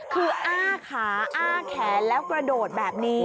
คืออ้าขาอ้าแขนแล้วกระโดดแบบนี้